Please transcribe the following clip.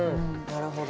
なるほど。